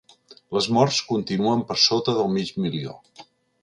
Les morts continuen per sota del mig milió.